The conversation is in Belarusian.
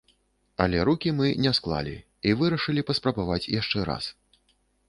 Але рукі мы не склалі і вырашылі паспрабаваць яшчэ раз.